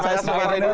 saya selamat tidur